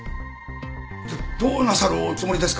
じゃあどうなさるおつもりですか？